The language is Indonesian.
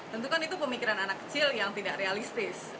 tentukan itu pemikiran anak kecil yang tidak realistis